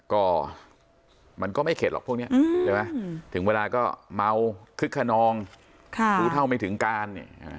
ก็มันก็ไม่เข็ดหรอกพวกนี้ใช่ไหมถึงเวลาก็เมาคึกขนองรู้เท่าไม่ถึงการ